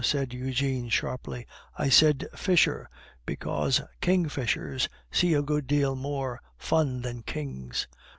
said Eugene sharply. "I said 'fisher,' because kingfishers see a good deal more fun than kings."